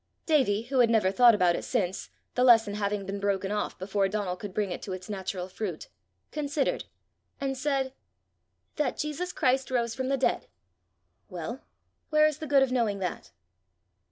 Davie, who had never thought about it since, the lesson having been broken off before Donal could bring it to its natural fruit, considered, and said, "That Jesus Christ rose from the dead." "Well where is the good of knowing that?"